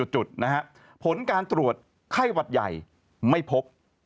จุดนะฮะผลการตรวจไข้หวัดใหญ่ไม่พบ